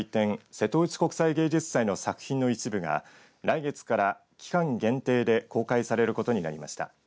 瀬戸内国際芸術祭の作品の一部が来月から期間限定で公開されることになりました。